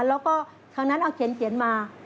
แล้วก็ทางนั้นเอาเขียนมา